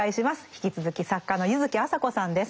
引き続き作家の柚木麻子さんです。